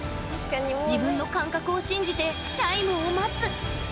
自分の感覚を信じてチャイムを待つ。